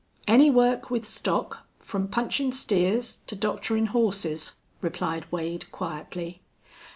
"Any work with stock, from punchin' steers to doctorin' horses," replied Wade, quietly.